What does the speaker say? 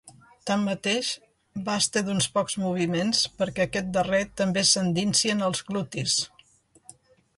Tanmateix, basta d'uns pocs moviments perquè aquest darrer també s'endinsi en els glutis.